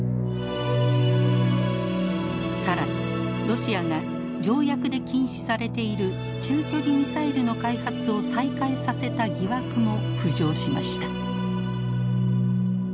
更にロシアが条約で禁止されている中距離ミサイルの開発を再開させた疑惑も浮上しました。